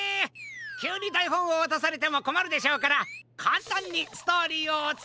きゅうにだいほんをわたされてもこまるでしょうからかんたんにストーリーをおつたえします。